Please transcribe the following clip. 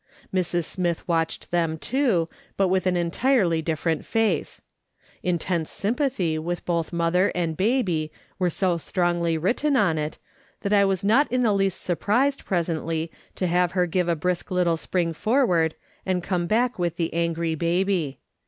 Mrs. Smith watched them too, but with an entirely different face. In E ^ 5* MUS. SOLOMON SMITH LOOKING ON. tense sympathy witli both mother and baby wero so strongly written on it that I was not in the least sur prised, presently, to have her give a brisk little spring forward and come back with the angry baby.